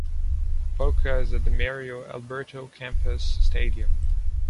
Boca at the Mario Alberto Kempes stadium.